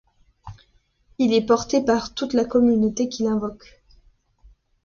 Il est porté par toute la communauté qui l’invoque.